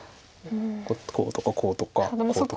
こうとかこうとかこうとか何か。